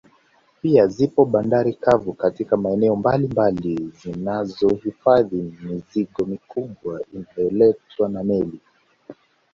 Pia zipo bandari kavu katika maeneo mbalimbali zinazo hifadhi mizigo mikubwa inayoletwa na meli